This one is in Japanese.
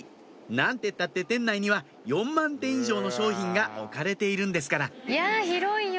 何ていったって店内には４万点以上の商品が置かれているんですから広いよ。